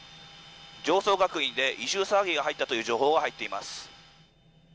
常総学院で異臭騒ぎが入ったという情報が入っています。